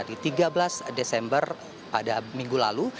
di tiga belas desember pada minggu lalu